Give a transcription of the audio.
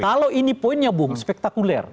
kalau ini poinnya bung spektakuler